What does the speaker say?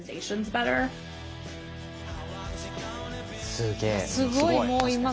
すげえ。